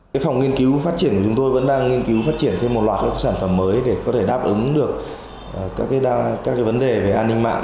chúng tôi đang nghiên cứu phát triển thêm một loạt các sản phẩm mới để có thể đáp ứng được các vấn đề về an ninh mạng